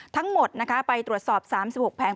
ทั้งหมดไปตรวจสอบ๓๖แผง